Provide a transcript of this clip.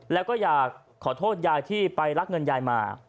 แล้วก็อยากขอโทษยายที่ไปรักเงินยายมา